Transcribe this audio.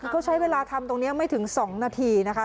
เขาใช้เวลาทำตรงนี้ไม่ถึง๒นาทีนะคะ